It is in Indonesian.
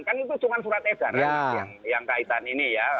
kan itu cuma surat edaran yang kaitan ini ya